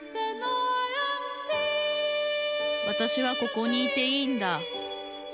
わたしはここにいていいんだ